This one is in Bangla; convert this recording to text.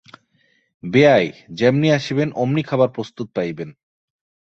বেয়াই যেমনি আসিবেন অমনি খাবার প্রস্তুত পাইবেন।